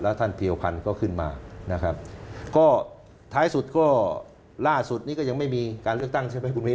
ท่านเพียวพันธ์ก็ขึ้นมานะครับก็ท้ายสุดก็ล่าสุดนี้ก็ยังไม่มีการเลือกตั้งใช่ไหมคุณมิ้น